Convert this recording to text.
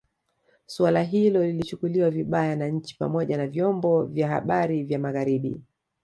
Suala hilo lilichukuliwa vibaya na nchi pamoja na vyombo vya habari vya Magharibi